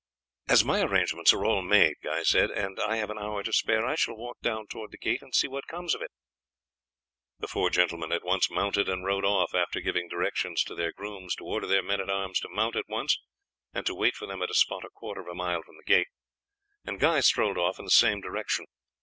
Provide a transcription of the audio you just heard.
"As my arrangements are all made," Guy said, "and I have an hour to spare, I shall walk down towards the gate and see what comes of it." The four gentlemen at once mounted and rode off, after giving directions to their grooms to order their men at arms to mount at once and to wait for them at a spot a quarter of a mile from the gate, and Guy strolled off in the same direction.